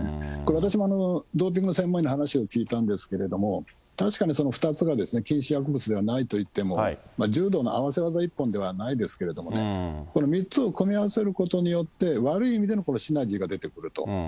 これ、私もドーピング専門医の話を聞いたんですけれども、確かにその２つは禁止薬物ではないといっても、柔道の合わせ技一本ではないですけれどもね、これ、３つを組み合わせることによって、悪い意味でのシナジーが出てくると。